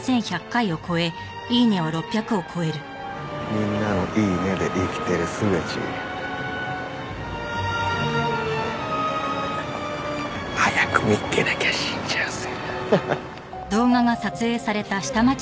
「みんなの“イイね”で生きてるスガチー」「早く見つけなきゃ死んじゃうぜ」